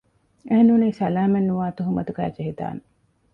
އެހެން ނޫނީ ސަލާމަތްނުވާ ތުހުމަތުގައި ޖެހިދާނެ